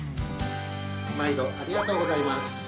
まいどありがとうございます。